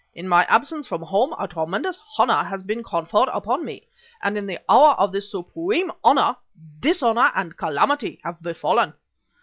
In my absence from home, a tremendous honor has been conferred upon me, and, in the hour of this supreme honor, dishonor and calamity have befallen!